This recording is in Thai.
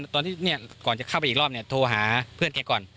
ตอนที่กลับจะเข้าไปอีกรอบโทรหาเพื่อนเคก่อน